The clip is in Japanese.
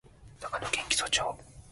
長野県木曽町